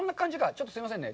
ちょっとすいませんね。